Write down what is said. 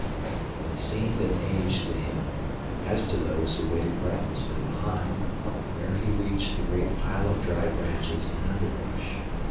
It seemed an age to him, as to those who waited breathlessly behind, ere he reached the great pile of dry branches and underbrush.